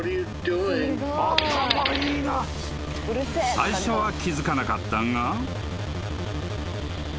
［最初は気付かなかったが］